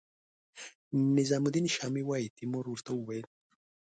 نظام الدین شامي وايي تیمور ورته وویل.